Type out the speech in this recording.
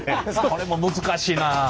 これも難しいなあ。